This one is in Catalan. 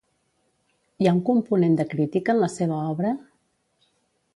Hi ha un component de crítica en la seva obra?